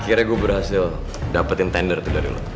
akhirnya gue berhasil dapetin tender itu dari lo